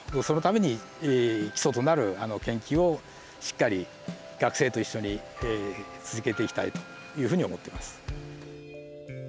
そのために基礎となる研究をしっかり学生と一緒に続けていきたいというふうに思ってます。